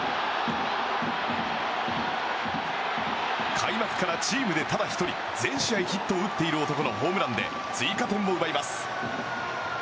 開幕からチームでただ１人全試合ヒットを打っている男のホームランで追加点を奪います。